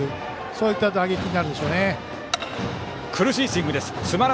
そういった打撃になるでしょうね。